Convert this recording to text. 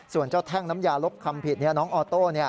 ส่วนเจ้าแท่งน้ำยาลบคำผิดน้องออโต้